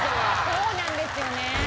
そうなんですよね。